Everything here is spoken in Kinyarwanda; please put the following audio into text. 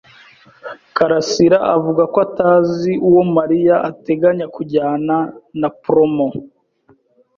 karasira avuga ko atazi uwo Mariya ateganya kujyana na promo.